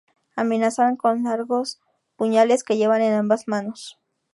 Amenazan con largos puñales que llevan en ambas manos.